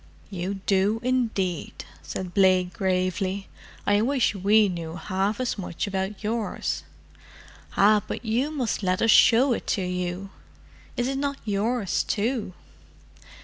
"You do, indeed," said Blake gravely. "I wish we knew half as much about yours." "Ah, but you must let us show it to you. Is it not yours, too?